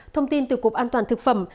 thông tin từ cục an toàn thực phẩm